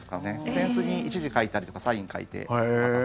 扇子に１字書いたりとかサイン書いて。